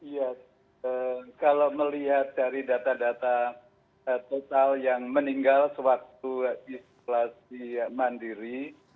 ya kalau melihat dari data data total yang meninggal sewaktu isolasi mandiri